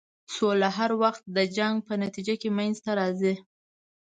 سوله هر وخت د جنګ په نتیجه کې منځته راځي.